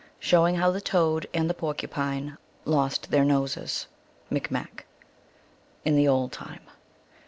Show* ing how the Toad and Porcupine lost their Noses. (Micmac.) In the old time.